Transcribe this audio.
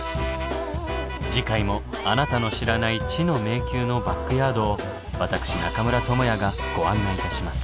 次回もあなたの知らない知の迷宮のバックヤードを私中村倫也がご案内いたします。